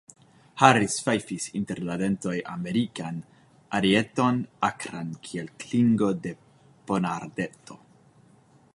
Harris fajfis inter la dentoj Amerikan arieton, akran kiel klingo de ponardeto.